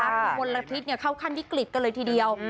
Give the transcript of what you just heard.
อีกฤตโอ้โหคนละพิษเข้าขั้นวิกฤตกันเลยทีเดียว